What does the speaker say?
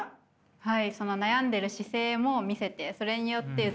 はい。